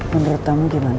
menurut kamu gimana